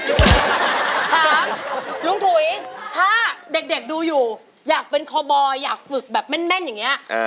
ถามลุงถุยถ้าเด็กดูอยู่อยากเป็นคอบอยอยากฝึกแบบแม่นอย่างนี้